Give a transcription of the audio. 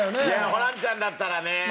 ホランちゃんだったらね